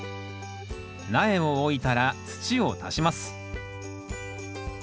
苗を置いたら土を足します。